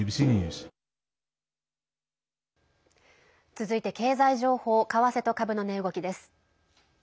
続いて経済情報為替と株の値動きです。